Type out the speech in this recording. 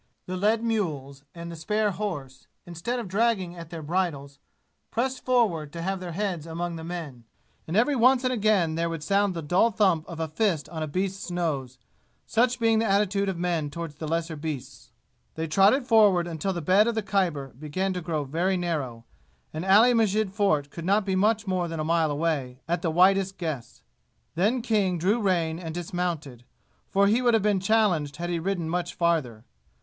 They led mules and the spare horse, instead of dragging at their bridles, pressed forward to have their heads among the men, and every once and again there would sound the dull thump of a fist on a beast's nose such being the attitude of men toward the lesser beasts. They trotted forward until the bed of the Khyber began to grow very narrow, and Ali Masjid Fort could not be much more than a mile away, at the widest guess. Then King drew rein and dismounted, for he would have been challenged had he ridden much farther.